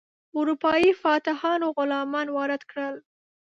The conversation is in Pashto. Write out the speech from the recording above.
اروپایي فاتحانو غلامان وارد کړل.